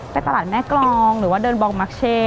ตลาดแม่กรองหรือว่าเดินบองมักเช่